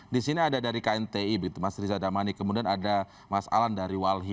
di sini ada dari knti mas riza damani kemudian ada mas alan dari walhi